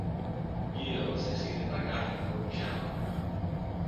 Yeoh was succeeded by Doctor York Chow.